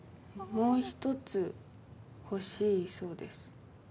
もう一つ欲しいそうです